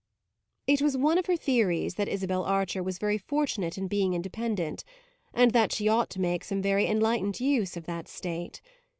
It was one of her theories that Isabel Archer was very fortunate in being independent, and that she ought to make some very enlightened use of that state.